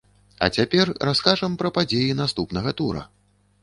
А цяпер раскажам пра падзеі наступнага тура.